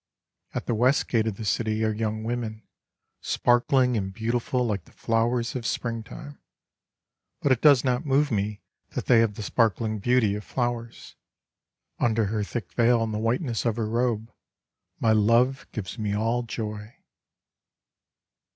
At the West Gate of the City are young women. Sparkling and beautiful like the flowers of Spring time ; But it does not move me that they have the sparkling beauty of flowers — Under her thick veil and the whiteness of her robe, my love gives me all joy.